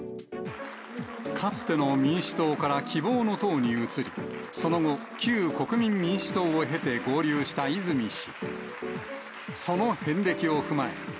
かつての民主党から希望の党に移り、その後、旧国民民主党を経て合流した泉氏。